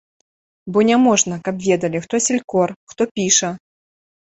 Бо няможна, каб ведалі, хто селькор, хто піша.